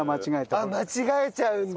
あっ間違えちゃうんだ！